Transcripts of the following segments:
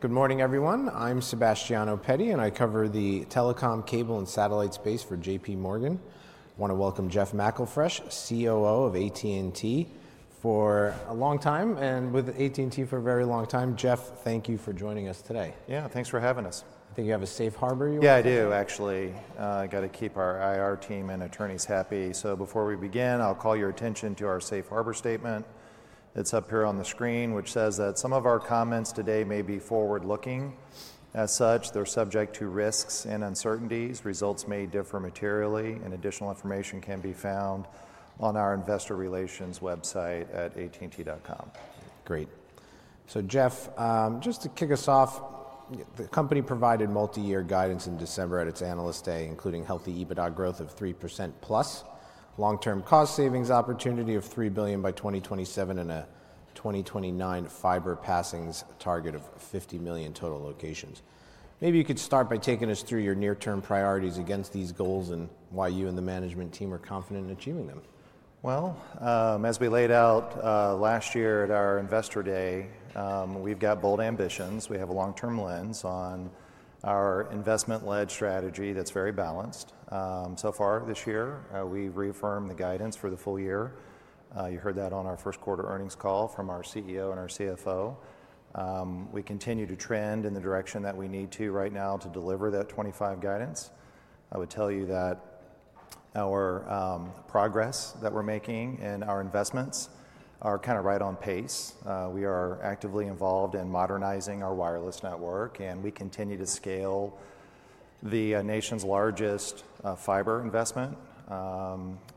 Good morning, everyone. I'm Sebastiano Petti, and I cover the telecom, cable, and satellite space for JPMorgan. I want to welcome Jeff McElfresh, COO of AT&T, for a long time, and with AT&T for a very long time. Jeff, thank you for joining us today. Yeah, thanks for having us. I think you have a safe harbor you want to say? Yeah, I do, actually. I got to keep our IR team and attorneys happy. Before we begin, I'll call your attention to our safe harbor statement. It's up here on the screen, which says that some of our comments today may be forward-looking. As such, they're subject to risks and uncertainties. Results may differ materially, and additional information can be found on our investor relations website at https://www.att.com/. Great. So Jeff, just to kick us off, the company provided multi-year guidance in December at its analyst day, including healthy EBITDA growth of 3% plus, long-term cost savings opportunity of $3 billion by 2027, and a 2029 fiber passings target of 50 million total locations. Maybe you could start by taking us through your near-term priorities against these goals and why you and the management team are confident in achieving them? Well as we laid out last year at our Investor Day, we've got bold ambitions. We have a long-term lens on our investment-led strategy that's very balanced. So far this year, we've reaffirmed the guidance for the full year. You heard that on our First Quarter Earnings Call from our CEO and our CFO. We continue to trend in the direction that we need to right now to deliver that 2025 guidance. I would tell you that our progress that we're making and our investments are kind of right on pace. We are actively involved in modernizing our wireless network, and we continue to scale the nation's largest fiber investment.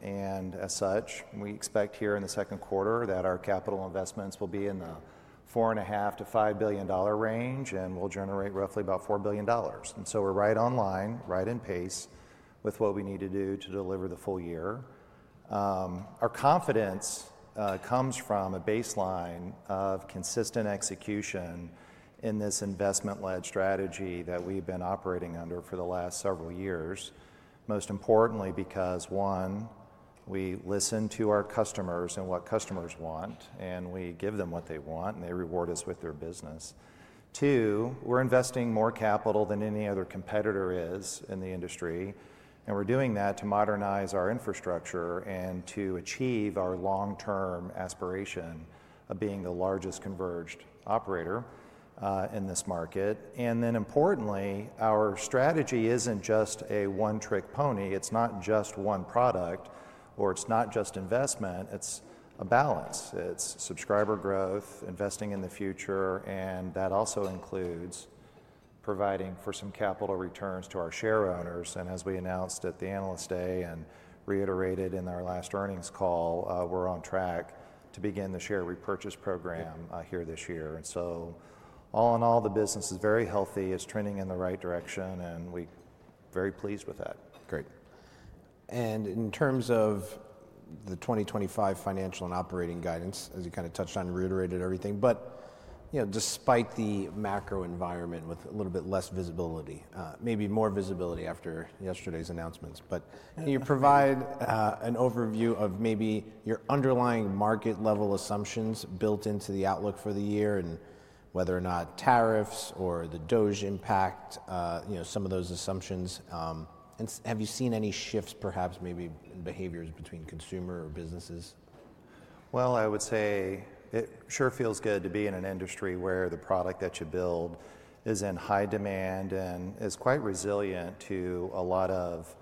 And as such, we expect here in the second quarter that our capital investments will be in the $4.5 billion-$5 billion range, and we'll generate roughly about $4 billion. And so we're right on line, right in pace with what we need to do to deliver the full year. Our confidence comes from a baseline of consistent execution in this investment-led strategy that we've been operating under for the last several years, most importantly because, one, we listen to our customers and what customers want, and we give them what they want, and they reward us with their business. Two, we're investing more capital than any other competitor is in the industry, and we're doing that to modernize our infrastructure and to achieve our long-term aspiration of being the largest converged operator in this market. And importantly, our strategy isn't just a one-trick pony. It's not just one product, or it's not just investment. It's a balance. It's subscriber growth, investing in the future, and that also includes providing for some capital returns to our share owners. And as we announced at the analyst day and reiterated in our last earnings call, we're on track to begin the share repurchase program here this year. So all in all, the business is very healthy, is trending in the right direction, and we're very pleased with that. Great. And in terms of the 2025 financial and operating guidance, as you kind of touched on and reiterated everything, despite the macro environment with a little bit less visibility, maybe more visibility after yesterday's announcements, but can you provide an overview of maybe your underlying market-level assumptions built into the outlook for the year and whether or not tariffs or the DOGE impact some of those assumptions? Have you seen any shifts, perhaps maybe in behaviors between consumer or businesses? Well I would say it sure feels good to be in an industry where the product that you build is in high demand and is quite resilient to a lot of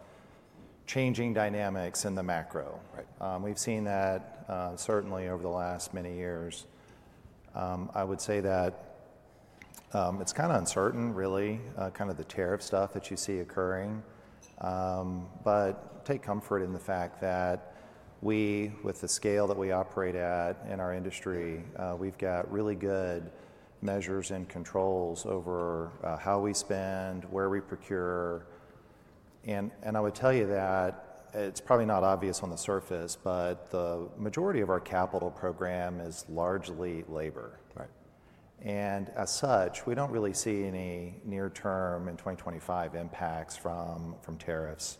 changing dynamics in the macro. We've seen that certainly over the last many years. I would say that it's kind of uncertain, really, kind of the tariff stuff that you see occurring. Take comfort in the fact that we, with the scale that we operate at in our industry, we've got really good measures and controls over how we spend, where we procure. And I would tell you that it's probably not obvious on the surface, but the majority of our capital program is largely labor. And as such, we don't really see any near-term and 2025 impacts from from tariffs.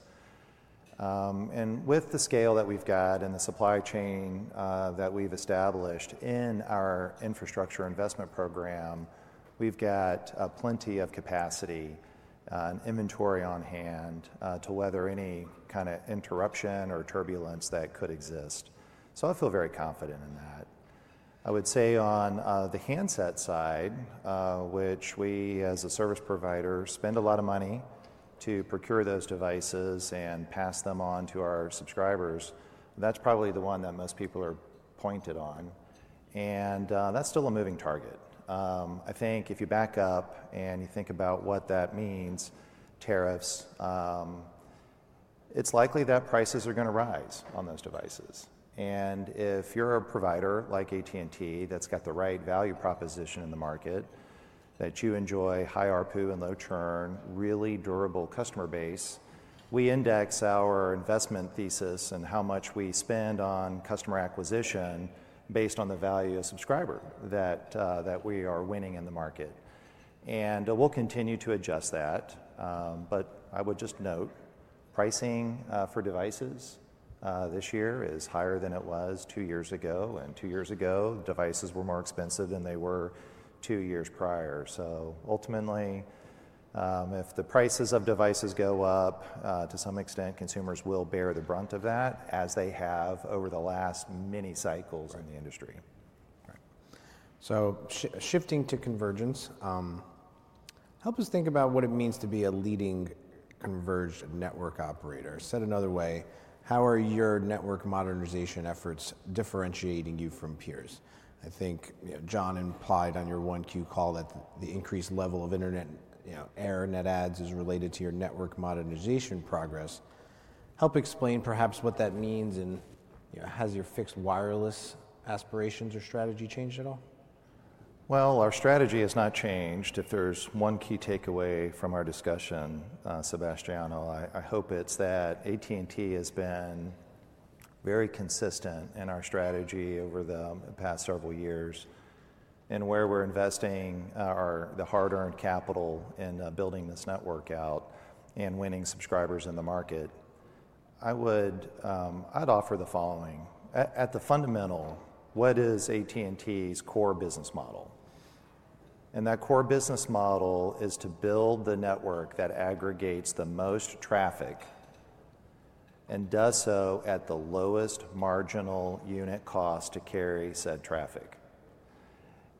And with the scale that we've got and the supply chain that we've established in our infrastructure investment program, we've got plenty of capacity and inventory on hand to weather any kind of interruption or turbulence that could exist. So I feel very confident in that. I would say on the handset side, which we as a service provider spend a lot of money to procure those devices and pass them on to our subscribers, that's probably the one that most people are pointed on. And that's still a moving target. I think if you back up and you think about what that means, tariffs, it's likely that prices are going to rise on those devices. And if you're a provider like AT&T that's got the right value proposition in the market, that you enjoy high RPU and low churn, really durable customer base, we index our investment thesis and how much we spend on customer acquisition based on the value of subscriber that that we are winning in the market. And we'll continue to adjust that. But I would just note pricing for devices this year is higher than it was two years ago. And two years ago, devices were more expensive than they were two years prior. So ultimately, if the prices of devices go up, to some extent, consumers will bear the brunt of that as they have over the last many cycles in the industry. So shifting to convergence, help us think about what it means to be a leading converged network operator. Said another way, how are your network modernization efforts differentiating you from peers? I think John implied on your Q1 call that the increased level of internet air and net adds is related to your network modernization progress. Help explain perhaps what that means and has your fixed wireless aspirations or strategy changed at all? Well our strategy has not changed. If there's one key takeaway from our discussion, Sebastian, I hope it's that AT&T has been very consistent in our strategy over the past several years and where we're investing our the hard-earned capital in building this network out and winning subscribers in the market. I would offer the following: at the fundamental, what is AT&T's core business model? And that core business model is to build the network that aggregates the most traffic and does so at the lowest marginal unit cost to carry said traffic.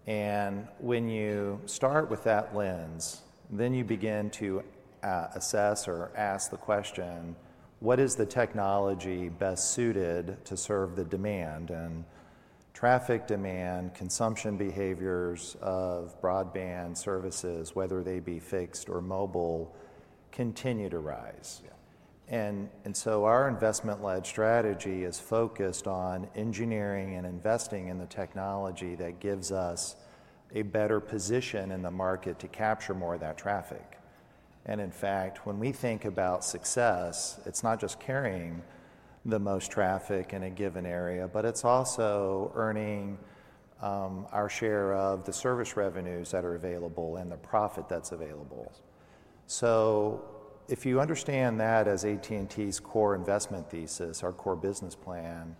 And when you start with that lens, many begin to assess or ask the question, what is the technology best suited to serve the demand? And traffic demand, consumption behaviors of broadband services, whether they be fixed or mobile, continue to rise. And so our investment-led strategy is focused on engineering and investing in the technology that gives us a better position in the market to capture more of that traffic. And in fact, when we think about success, it's not just carrying the most traffic in a given area, but it's also earning our share of the service revenues that are available and the profit that's available. So if you understand that as AT&T's core investment thesis, our core business plan,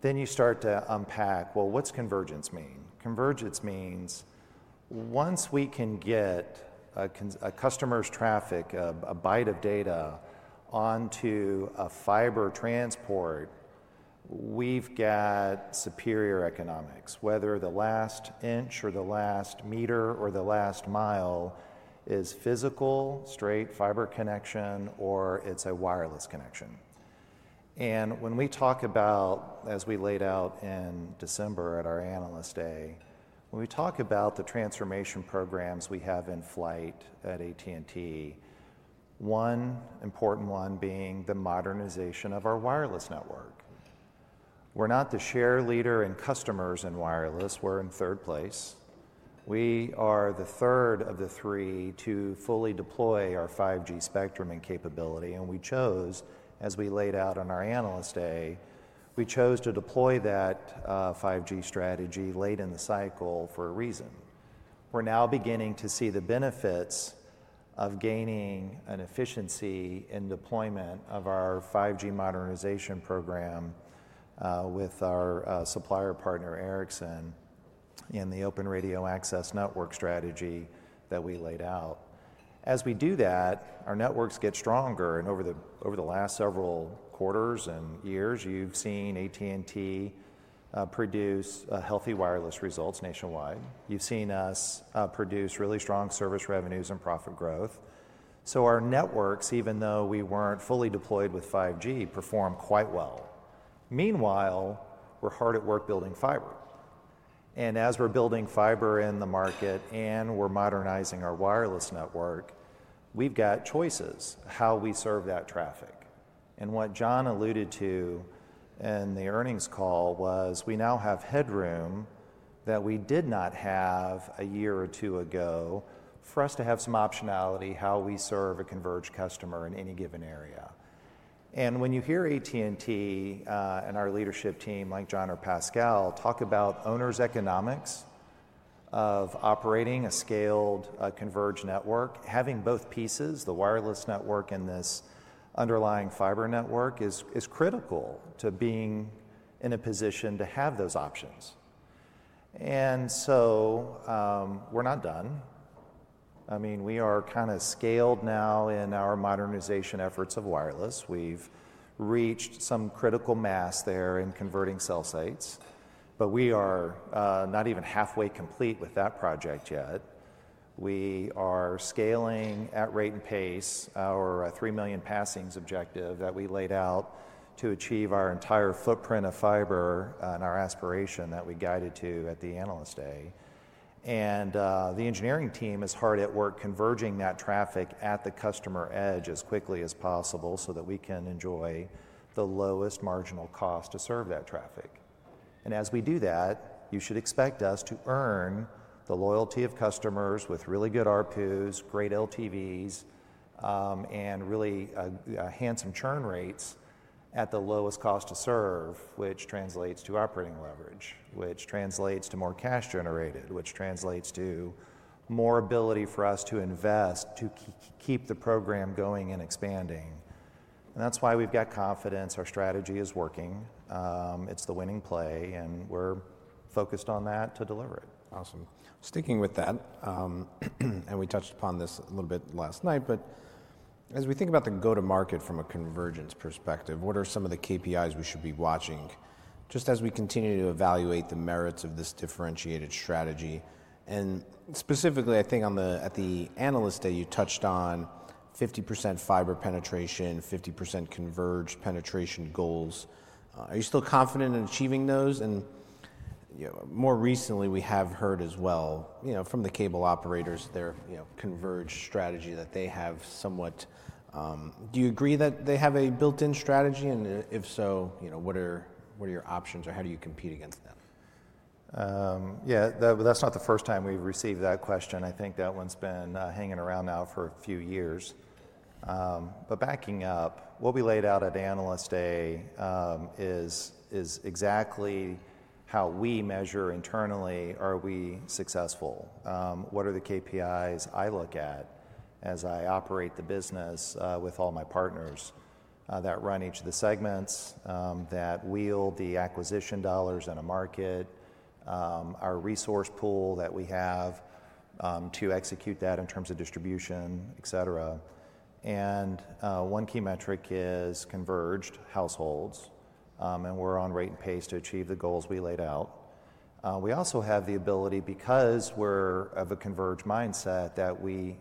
then you start to unpack, well, what's convergence mean? Convergence means once we can get a customer's traffic, a byte of data onto a fiber transport, we've got superior economics, whether the last inch or the last meter or the last mile is physical, straight fiber connection, or it's a wireless connection. And when we talk about, as we laid out in December at our analyst day, when we talk about the transformation programs we have in flight at AT&T, one important one being the modernization of our wireless network. We're not the share leader in customers and wireless. We're in third place. We are the third of the three to fully deploy our 5G spectrum and capability. We chose, as we laid out on our analyst day, to deploy that 5G strategy late in the cycle for a reason. We're now beginning to see the benefits of gaining an efficiency in deployment of our 5G modernization program with our supplier partner, Ericsson, in the open radio access network strategy that we laid out. As we do that, our networks get stronger. Over the last several quarters and years, you've seen AT&T produce a healthy wireless results nationwide. You've seen us produce really strong service revenues and profit growth. So our networks, even though we weren't fully deployed with 5G, perform quite well. Meanwhile, we're hard at work building fiber. And as we're building fiber in the market and we're modernizing our wireless network, we've got choices how we serve that traffic. And what John alluded to in the earnings call was we now have headroom that we did not have a year or two ago for us to have some optionality how we serve a converged customer in any given area. And when you hear AT&T and our leadership team, like John or Pascal, talk about owner's economics of operating a scaled converged network, having both pieces, the wireless network and this underlying fiber network, is critical to being in a position to have those options. And so we're not done. I mean, we are kind of scaled now in our modernization efforts of wireless. We've reached some critical mass there in converting cell sites, but we are not even halfway complete with that project yet. We are scaling at rate and pace our 3 million passings objective that we laid out to achieve our entire footprint of fiber and our aspiration that we guided to at the analyst day. And the engineering team is hard at work converging that traffic at the customer edge as quickly as possible so that we can enjoy the lowest marginal cost to serve that traffic. And as we do that, you should expect us to earn the loyalty of customers with really good RPUs, great LTVs, and really handsome churn rates at the lowest cost to serve, which translates to operating leverage, which translates to more cash generated, which translates to more ability for us to invest, to keep the program going and expanding. And that is why we have got confidence our strategy is working. It is the winning play, and we are focused on that to deliver it. Awesome. Sticking with that, and we touched upon this a little bit last night, but as we think about the go-to-market from a convergence perspective, what are some of the KPIs we should be watching just as we continue to evaluate the merits of this differentiated strategy? And specifically, I think at the analyst day, you touched on 50% fiber penetration, 50% converged penetration goals. Are you still confident in achieving those? More recently, we have heard as well from the cable operators, their converged strategy that they have somewhat. Do you agree that they have a built-in strategy? If so, what are what your options or how do you compete against them? Yeah, that's not the first time we've received that question. I think that one's been hanging around now for a few years. But backing up, what we laid out at analyst day is exactly how we measure internally are we successful. What are the KPIs I look at as I operate the business with all my partners that run each of the segments, that wheel the acquisition dollars in a market, our resource pool that we have to execute that in terms of distribution, et cetera. And one key metric is converged households, and we're on rate and pace to achieve the goals we laid out. We also have the ability, because we're of a converged mindset, that we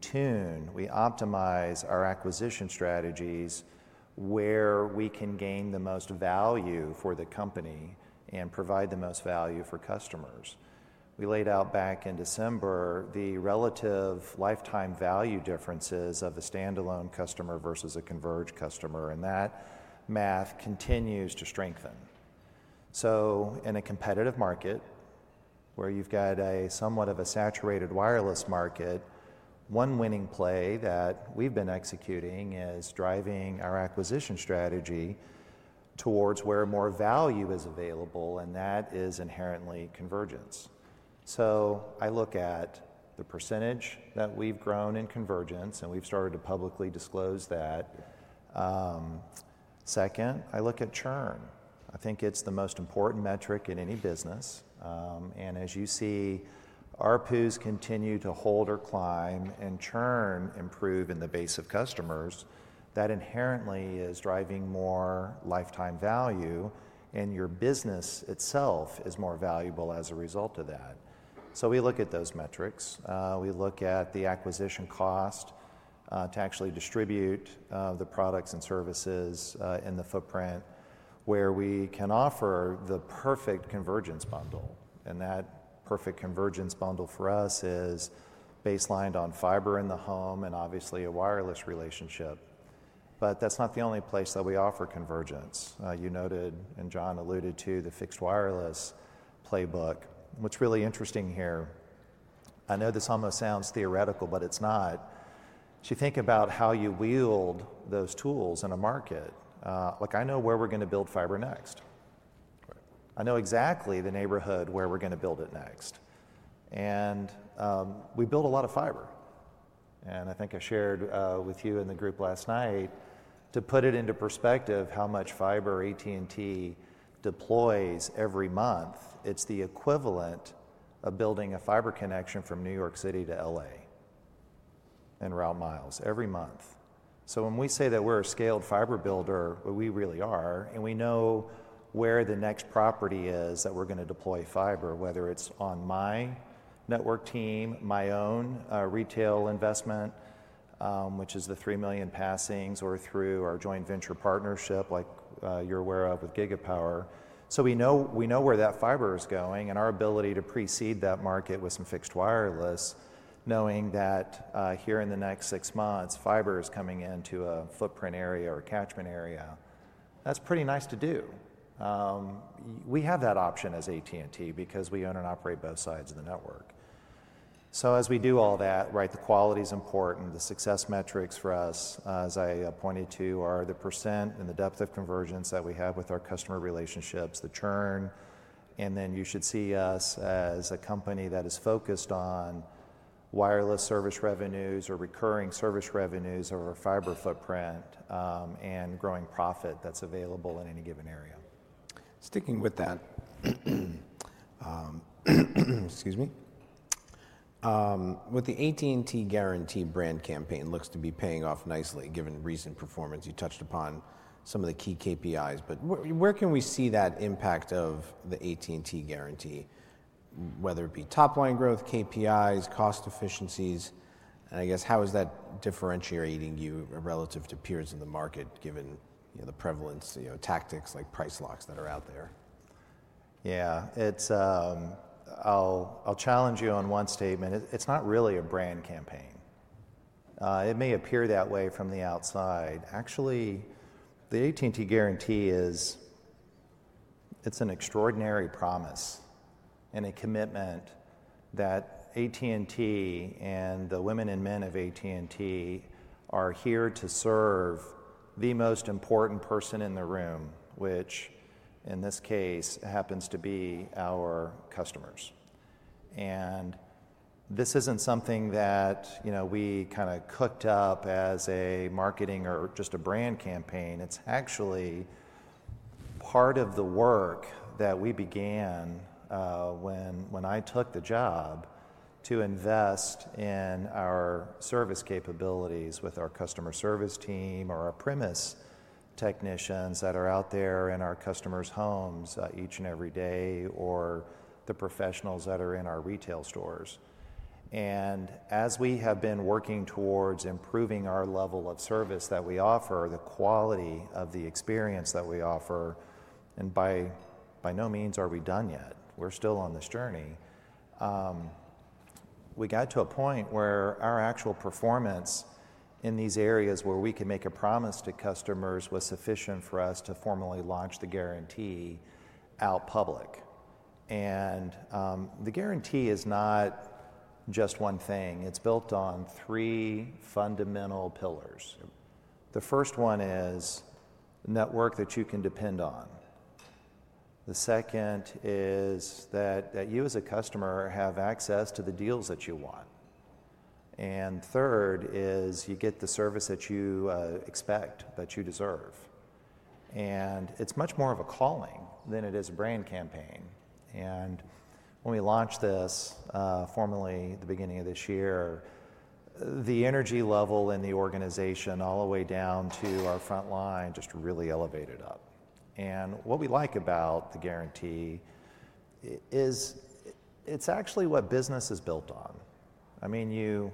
tune, we optimize our acquisition strategies where we can gain the most value for the company and provide the most value for customers. We laid out back in December the relative lifetime value differences of a standalone customer versus a converged customer, and that math continues to strengthen. So in a competitive market where you've got somewhat of a saturated wireless market, one winning play that we've been executing is driving our acquisition strategy towards where more value is available, and that is inherently convergence. So I look at the percentage that we've grown in convergence, and we've started to publicly disclose that. Second, I look at Churn. I think it's the most important metric in any business. As you see, RPUs continue to hold or climb and Churn improve in the base of customers. That inherently is driving more lifetime value, and your business itself is more valuable as a result of that. So we look at those metrics. We look at the acquisition cost to actually distribute the products and services in the footprint where we can offer the perfect convergence bundle. And that perfect convergence bundle for us is baselined on fiber in the home and obviously a wireless relationship. But that is not the only place that we offer convergence. Now you noted, and John alluded to the fixed wireless playbook. What is really interesting here, I know this almost sounds theoretical, but it is not, as you think about how you wield those tools in a market, like I know where we are going to build fiber next. I know exactly the neighborhood where we are going to build it next. We build a lot of fiber. And I think I shared with you and the group last night, to put it into perspective, how much fiber AT&T deploys every month, it's the equivalent of building a fiber connection from New York City to Los Angeles in route miles every month. So when we say that we're a scaled fiber builder, but we really are, and we know where the next property is that we're going to deploy fiber, whether it's on my network team, my own retail investment, which is the 3 million passings, or through our joint venture partnership like you're aware of with Gigapower. So we know where that fiber is going and our ability to precede that market with some fixed wireless, knowing that here in the next six months, fiber is coming into a footprint area or a catchment area. That's pretty nice to do. We have that option as AT&T because we own and operate both sides of the network. As we do all that, right, the quality is important. The success metrics for us, as I pointed to, are the % and the depth of convergence that we have with our customer relationships, the Churn. You should see us as a company that is focused on wireless service revenues or recurring service revenues over fiber footprint and growing profit that is available in any given area. Sticking with that, excuse me, with the AT&T Guarantee brand campaign looks to be paying off nicely given recent performance. You touched upon some of the key KPIs, but where can we see that impact of the AT&T Guarantee, whether it be top-line growth, KPIs, cost efficiencies? I guess, how is that differentiating you relative to peers in the market given the prevalence, tactics like price locks that are out there? Yeah, It's a I'll challenge you on one statement. It's not really a brand campaign. It may appear that way from the outside. Actually, the AT&T Guarantee is an extraordinary promise and a commitment that AT&T and the women and men of AT&T are here to serve the most important person in the room, which in this case happens to be our customers. And this isn't something that we kind of cooked up as a marketing or just a brand campaign. It's actually part of the work that we began when I took the job to invest in our service capabilities with our customer service team or our premise technicians that are out there in our customers' homes each and every day or the professionals that are in our retail stores. And as we have been working towards improving our level of service that we offer, the quality of the experience that we offer, and by no means are we done yet. We're still on this journey. We got to a point where our actual performance in these areas where we can make a promise to customers was sufficient for us to formally launch the guarantee out public. And the guarantee is not just one thing. It's built on three fundamental pillars. The first one is the network that you can depend on. The second is that you as a customer have access to the deals that you want. And third is you get the service that you expect, that you deserve. And it's much more of a calling than it is a brand campaign. And when we launched this formally at the beginning of this year, the energy level in the organization all the way down to our front line just really elevated up. What we like about the guarantee is it's actually what business is built on. I mean you,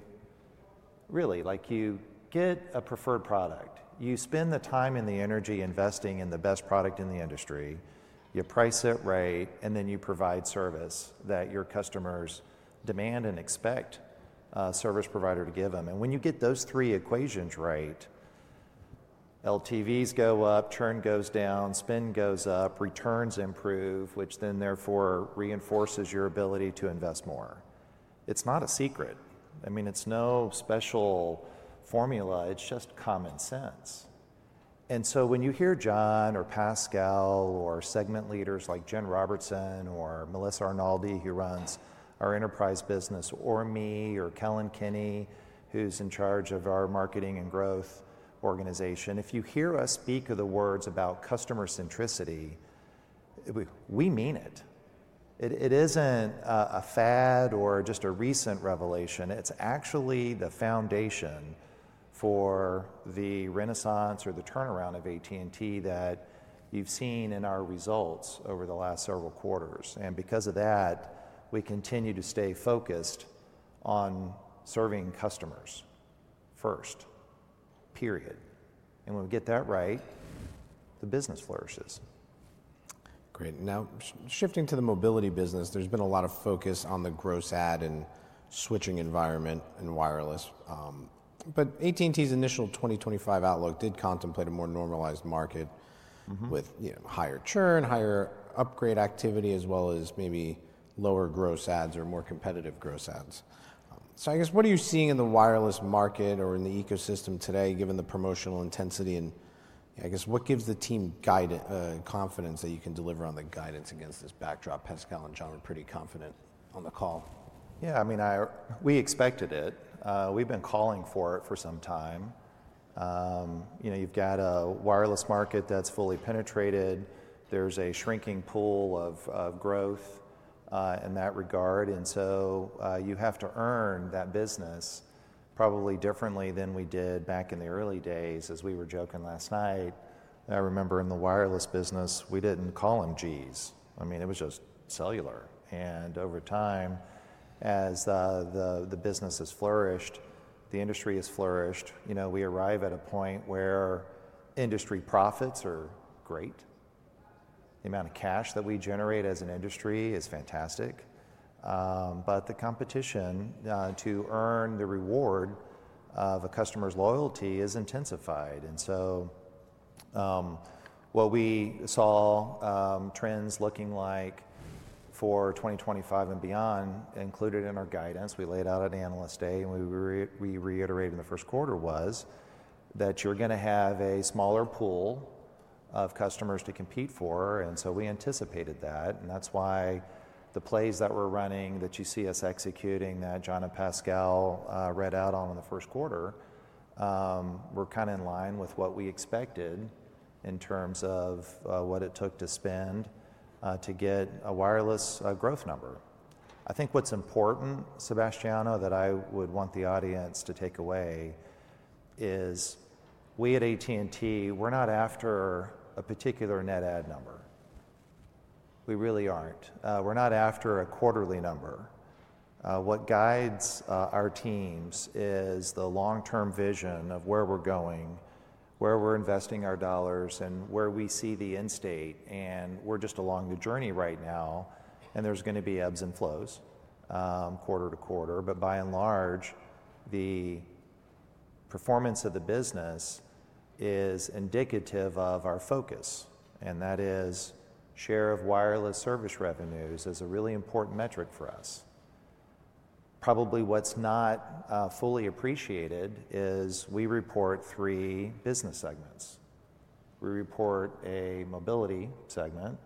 really, like you get a preferred product. You spend the time and the energy investing in the best product in the industry. You price it right, and then you provide service that your customers demand and expect a service provider to give them. When you get those three equations right, LTVs go up, Churn goes down, spend goes up, returns improve, which then therefore reinforces your ability to invest more. It's not a secret. I mean, it's no special formula. It's just common sense. And so when you hear John or Pascal or segment leaders like Jen Robertson or Melissa Arnaldi, who runs our enterprise business, or me or Kellen Kinney, who's in charge of our marketing and growth organization, if you hear us speak of the words about customer centricity, we mean it. It isn't a fad or just a recent revelation. It's actually the foundation for the renaissance or the turnaround of AT&T that you've seen in our results over the last several quarters. And because of that, we continue to stay focused on serving customers first, period. When we get that right, the business flourishes. Great. Now, shifting to the mobility business, there's been a lot of focus on the gross ad and switching environment in wireless. AT&T's initial 2025 outlook did contemplate a more normalized market with higher churn, higher upgrade activity, as well as maybe lower gross ads or more competitive gross ads. So I guess, what are you seeing in the wireless market or in the ecosystem today, given the promotional intensity? I guess, what gives the team confidence that you can deliver on the guidance against this backdrop? Pascal and John were pretty confident on the call. Yeah, I mean, we expected it. We've been calling for it for some time. You've got a wireless market that's fully penetrated. There's a shrinking pool of growth in that regard. You have to earn that business probably differently than we did back in the early days, as we were joking last night. I remember in the wireless business, we didn't call them Gs. I mean, it was just cellular. And over time, as the the business has flourished, the industry has flourished, we arrive at a point where industry profits are great. The amount of cash that we generate as an industry is fantastic. But the competition to earn the reward of a customer's loyalty is intensified. And so what we saw trends looking like for 2025 and beyond included in our guidance we laid out at analyst day, and we reiterated in the first quarter was that you're going to have a smaller pool of customers to compete for. And so we anticipated that. And that's why the plays that we're running that you see us executing that John and Pascal read out on in the first quarter were kind of in line with what we expected in terms of what it took to spend to get a wireless growth number. I think what's important, Sebastiano, that I would want the audience to take away is we at AT&T, we're not after a particular net ad number. We really aren't. We're not after a quarterly number. What guides our teams is the long-term vision of where we're going, where we're investing our dollars, and where we see the end state. We're just along the journey right now, and there's going to be ebbs and flows quarter to quarter. By and large, the performance of the business is indicative of our focus. And that is, share of wireless service revenues is a really important metric for us. Probably what's not fully appreciated is we report three business segments. We report a mobility segment,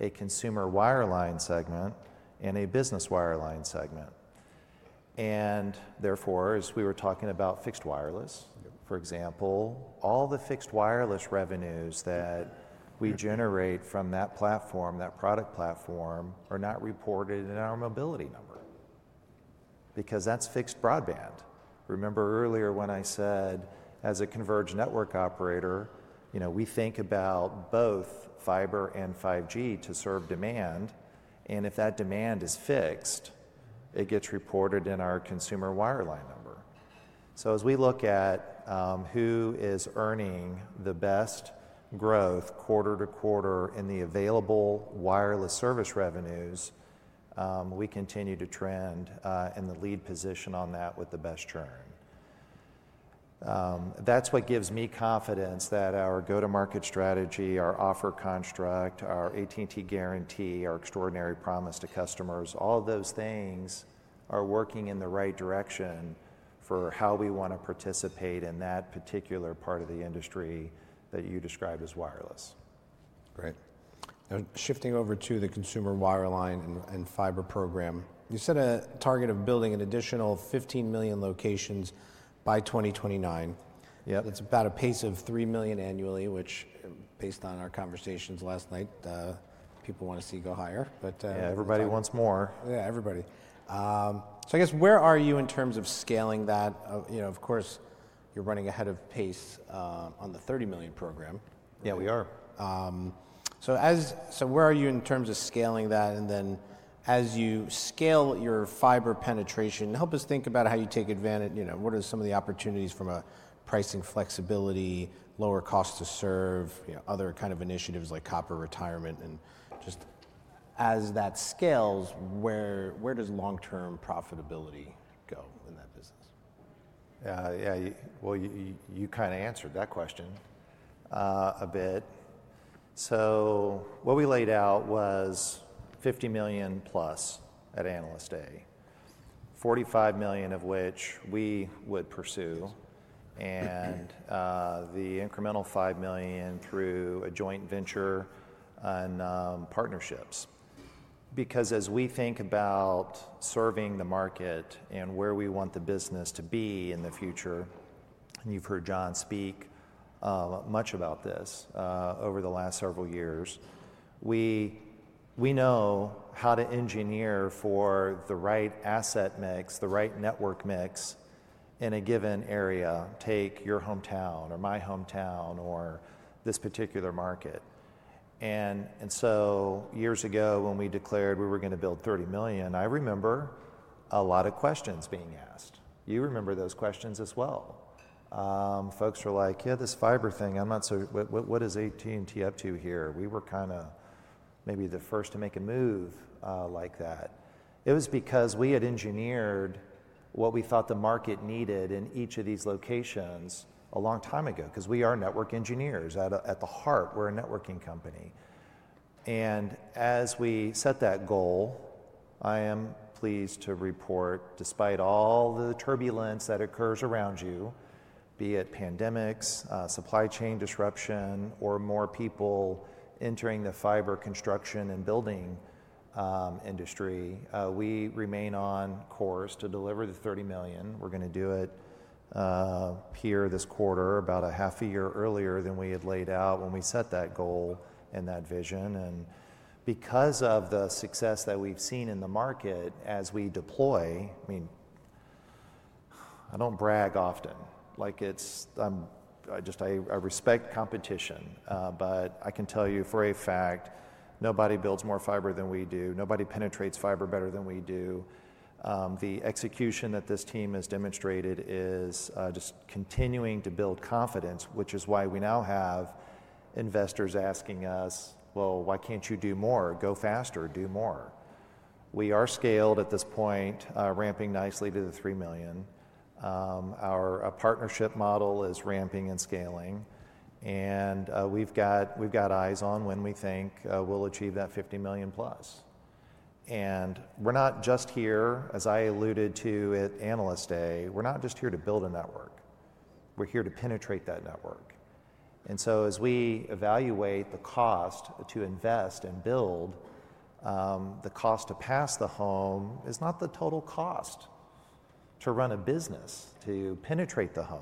a consumer wireline segment, and a business wireline segment. And therefore, as we were talking about fixed wireless, for example, all the fixed wireless revenues that we generate from that platform, that product platform, are not reported in our mobility number because that's fixed broadband. Remember earlier when I said as a converged network operator, we think about both fiber and 5G to serve demand. If that demand is fixed, it gets reported in our consumer wireline number. So as we look at who is earning the best growth quarter to quarter in the available wireless service revenues, we continue to trend in the lead position on that with the best Churn. And that's what gives me confidence that our go-to-market strategy, our offer construct, our AT&T Guarantee, our extraordinary promise to customers, all of those things are working in the right direction for how we want to participate in that particular part of the industry that you described as wireless. Great. Now, shifting over to the consumer wireline and fiber program, you set a target of building an additional 15 million locations by 2029. And that's about a pace of 3 million annually, which based on our conversations last night, people want to see go higher. Yeah, everybody wants more. Yeah, everybody. I guess, where are you in terms of scaling that? Of course, you're running ahead of pace on the 30 million program. Yeah, we are. So where are you in terms of scaling that? And then as you scale your fiber penetration, help us think about how you take advantage. What are some of the opportunities from a pricing flexibility, lower cost to serve, other kind of initiatives like copper retirement? Just as that scales, where does long-term profitability go in that business? Yeah, you kind of answered that question a bit. What we laid out was 50 million plus at analyst day, 45 million of which we would pursue, and the incremental 5 million through a joint venture and partnerships. Because as we think about serving the market and where we want the business to be in the future, and you've heard John speak much about this over the last several years, we know how to engineer for the right asset mix, the right network mix in a given area. Take your hometown or my hometown or this particular market. And so years ago, when we declared we were going to build 30 million, I remember a lot of questions being asked. You remember those questions as well. Folks were like, "Yeah, this fiber thing, what is AT&T up to here?" We were kind of maybe the first to make a move like that. It was because we had engineered what we thought the market needed in each of these locations a long time ago because we are network engineers. At the heart, we're a networking company. And as we set that goal, I am pleased to report, despite all the turbulence that occurs around you, be it pandemics, supply chain disruption, or more people entering the fiber construction and building industry, we remain on course to deliver the 30 million. We're going to do it here this quarter, about half a year earlier than we had laid out when we set that goal and that vision. Because of the success that we've seen in the market as we deploy, I mean, I don't brag often. Like it's I respect competition, but I can tell you for a fact, nobody builds more fiber than we do. Nobody penetrates fiber better than we do. The execution that this team has demonstrated is just continuing to build confidence, which is why we now have investors asking us, "Well, why can't you do more? Go faster, do more." We are scaled at this point, ramping nicely to the 3 million. Our partnership model is ramping and scaling. And we got we have eyes on when we think we will achieve that 50 million plus. I alluded to this at analyst day, we are not just here to build a network. We are here to penetrate that network. And so as we evaluate the cost to invest and build, the cost to pass the home is not the total cost to run a business, to penetrate the home.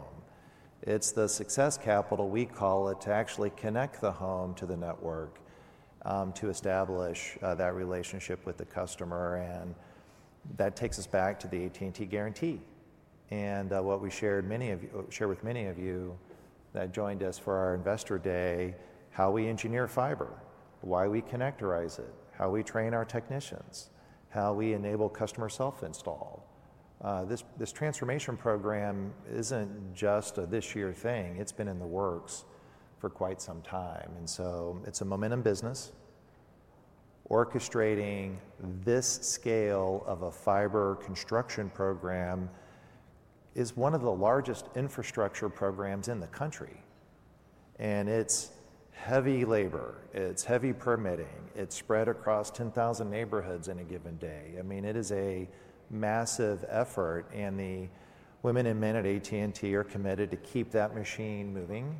It's the success capital, we call it, to actually connect the home to the network, to establish that relationship with the customer. And that takes us back to the AT&T Guarantee and what we shared with many of you that joined us for our Investor Day, how we engineer fiber, why we connectorize it, how we train our technicians, how we enable customer self-install. This transformation program isn't just a this year thing. It's been in the works for quite some time. It's a momentum business. Orchestrating this scale of a fiber construction program is one of the largest infrastructure programs in the country. And it's heavy labor. It's heavy permitting. It's spread across 10,000 neighborhoods in a given day. I mean, it is a massive effort. And the women and men at AT&T are committed to keep that machine moving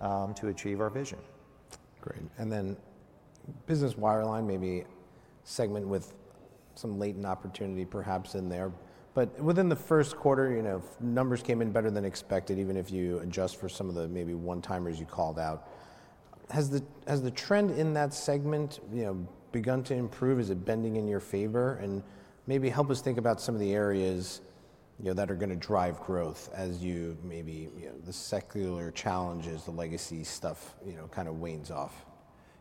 to achieve our vision. Great. Then business wireline, maybe segment with some latent opportunity perhaps in there. But within the first quarter, numbers came in better than expected, even if you adjust for some of the maybe one-timers you called out. Has the trend in that segment begun to improve? Is it bending in your favor? And maybe help us think about some of the areas that are going to drive growth as you maybe the secular challenges, the legacy stuff kind you know kind of wanes off.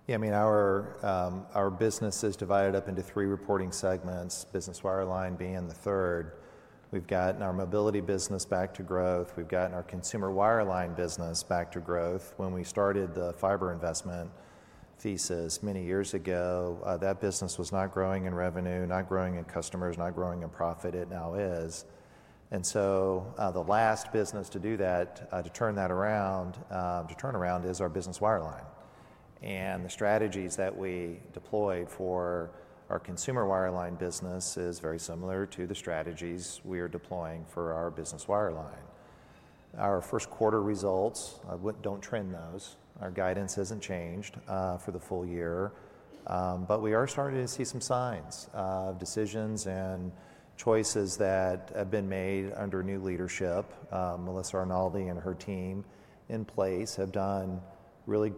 Yeah, I mean, our business is divided up into three reporting segments, business wireline being the third. We've gotten our mobility business back to growth. We've gotten our consumer wireline business back to growth. When we started the fiber investment thesis many years ago, that business was not growing in revenue, not growing in customers, not growing in profit. It now is. And so the last business to do that, to turn that around, is our business wireline. And the strategies that we deployed for our consumer wireline business is very similar to the strategies we are deploying for our business wireline. Our first quarter results, don't trend those. Our guidance hasn't changed for the full year. But we are starting to see some signs of decisions and choices that have been made under new leadership. Melissa Arnaldi and her team in place have done really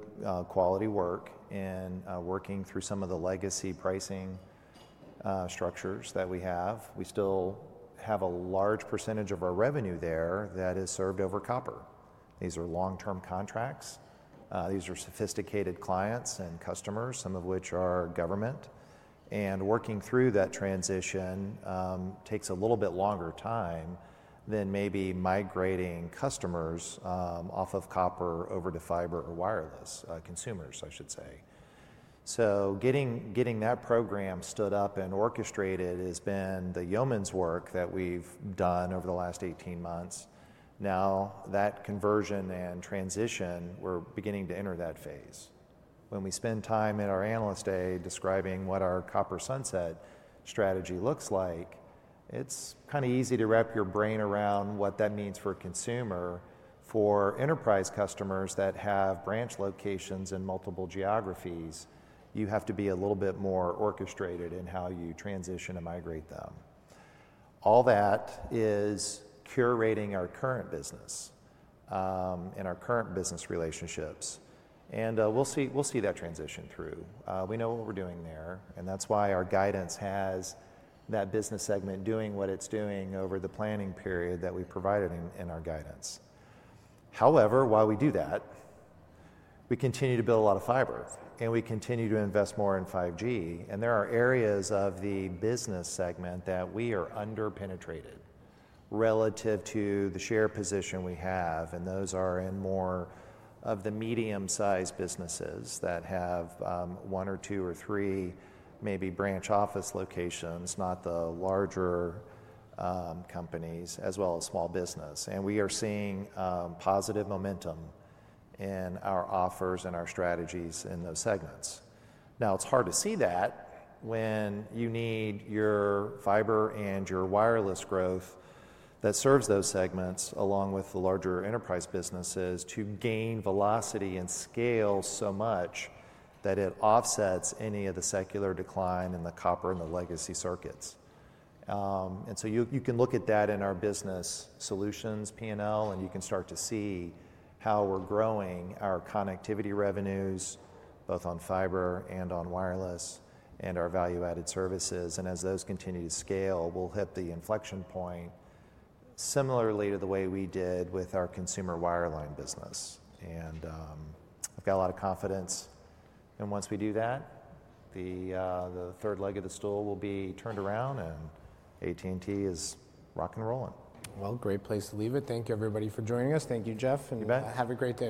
quality work in working through some of the legacy pricing structures that we have. We still have a large percentage of our revenue there that is served over copper. These are long-term contracts. These are sophisticated clients and customers, some of which are government. And working through that transition takes a little bit longer time than maybe migrating customers off of copper over to fiber or wireless consumers, I should say. So getting that program stood up and orchestrated has been the yeoman's work that we've done over the last 18 months. Now that conversion and transition, we're beginning to enter that phase. When we spend time in our analyst day describing what our copper sunset strategy looks like, it's kind of easy to wrap your brain around what that means for a consumer. For enterprise customers that have branch locations in multiple geographies, you have to be a little bit more orchestrated in how you transition and migrate them. All that is curating our current business and our current business relationships. We will see that transition through. We know what we are doing there. That is why our guidance has that business segment doing what it is doing over the planning period that we provided in our guidance. However, while we do that, we continue to build a lot of fiber. We continue to invest more in 5G. There are areas of the business segment that we are underpenetrated relative to the share position we have. And those are in more of the medium-sized businesses that have one or two or three maybe branch office locations, not the larger companies, as well as small business. And we are seeing positive momentum in our offers and our strategies in those segments. Now, it's hard to see that when you need your fiber and your wireless growth that serves those segments along with the larger enterprise businesses to gain velocity and scale so much that it offsets any of the secular decline in the copper and the legacy circuits. You can look at that in our business solutions, P&L, and you can start to see how we're growing our connectivity revenues both on fiber and on wireless and our value-added services. As those continue to scale, we'll hit the inflection point similarly to the way we did with our consumer wireline business. And i've got a lot of confidence. Once we do that, the third leg of the stool will be turned around and AT&T is rocking and rolling. Great place to leave it. Thank you, everybody, for joining us. Thank you, Jeff. You bet. Have a great day.